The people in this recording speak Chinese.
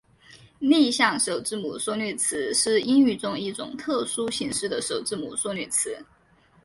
逆向首字母缩略词是英语中一种特殊形式的首字母缩略词。